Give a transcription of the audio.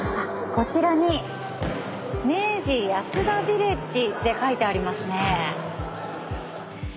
こちらに「明治安田ヴィレッジ」って書いてありますね。